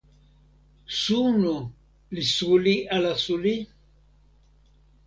suno li suli ala suli?